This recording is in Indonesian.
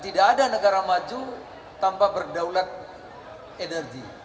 tidak ada negara maju tanpa berdaulat energi